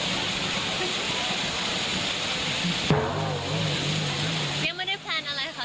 ก็เลยยังไม่ได้แพลนอะไรจริงค่ะ